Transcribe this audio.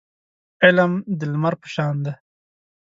علم د لمر په شان دی.